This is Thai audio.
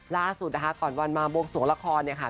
ล่าสุดนะคะก่อนวันมาบวงสวงละครเนี่ยค่ะ